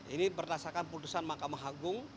ini berdasarkan putusan mahkamah agung